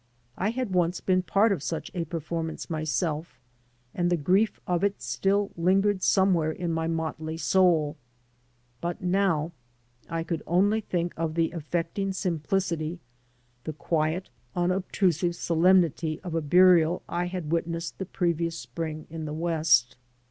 I had once been part of such a performance myself, and the grief of it still lingered somewhere in my motley soid. But now I could only think of the affecting simplicity, the quiet, unobtrusive solemnity of a burial I had witnessed the previous spring in the West.